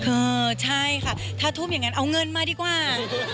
เออใช่ค่ะถ้าทุ่มอย่างนั้นเอาเงินมาดีกว่า